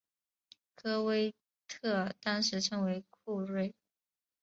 科威特当时称为库锐。